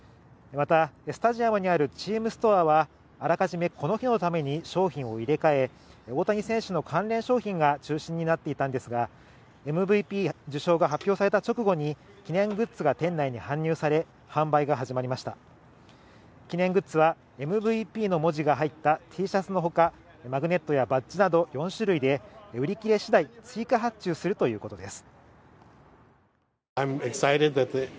またスタジアムにあるチームストアはあらかじめこの日のために商品を入れ替え大谷選手の関連商品が中心になっていたんですがＭＶＰ受賞が発表された直後に記念グッズが店内に搬入され販売が始まりました記念グッズはＭＶＰの文字が入ったＴシャツのほかマグネットやバッジなど４種類で売り切れ次第追加発注するということです